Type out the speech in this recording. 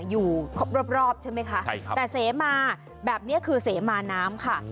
อยู่รอบใช่มั้ยคะทางไป้มาแบบเนี้ยคือเสมาน้ำค่ะ